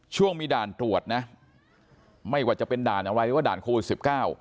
ช่วงมีด่านตรวจนะไม่ว่าจะเป็นด่านอะไรว่าด่านโคล๑๙